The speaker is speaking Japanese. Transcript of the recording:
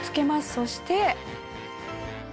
そして。